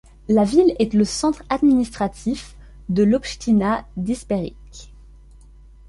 La ville est le centre administratif de l'obchtina d'Isperikh.